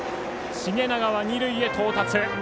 繁永は二塁へ到達。